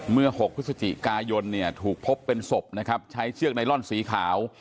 เมื่อหกพฤศจิกายนเนี่ยถูกพบเป็นศพใช้เชือกไนลอนสีขาว